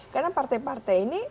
karena partai partai ini